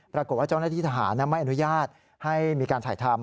ปรากฏว่าเจ้าหน้าที่ทหารไม่อนุญาตให้มีการถ่ายทำ